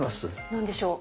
何でしょう？